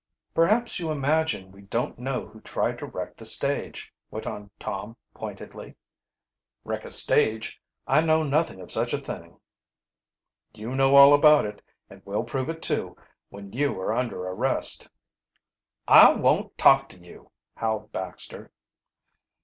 "Perhaps you imagine we don't know who tried to wreck the stage," went on Tom pointedly. "Wreck a stage? I know nothing of such a thing." "You know all about it. And we'll prove it too when you are under arrest." "I won't talk to you!" howled Baxter.